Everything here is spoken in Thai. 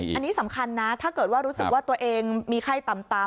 อันนี้สำคัญนะถ้าเกิดว่ารู้สึกว่าตัวเองมีไข้ต่ำตา